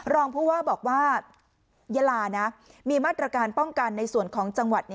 รองผู้ว่าบอกว่ายาลานะมีมาตรการป้องกันในส่วนของจังหวัด